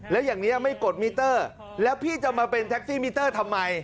แล้วอย่างนี้ไม่กดมิเตอร์แล้วพี่จะมาเป็นแท็กซี่มิเตอร์ทำไม